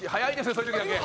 そういう時だけ。